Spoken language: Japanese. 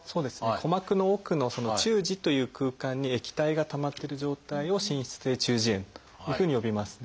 鼓膜の奥の「中耳」という空間に液体がたまってる状態を「滲出性中耳炎」というふうに呼びますね。